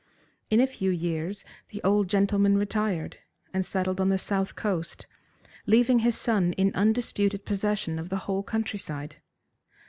In a few years the old gentleman retired, and settled on the South Coast, leaving his son in undisputed possession of the whole country side.